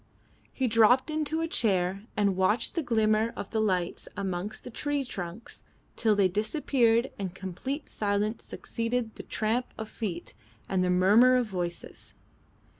He dropped into a chair and watched the glimmer of the lights amongst the tree trunks till they disappeared and complete silence succeeded the tramp of feet and the murmur of voices.